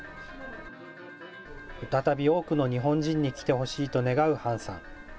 再び多くの日本人に来てほしいと願うハンさん。